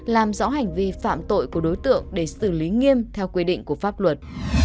làm rõ hành vi phạm tội của đối tượng để xử lý nghiêm theo quy định của pháp luật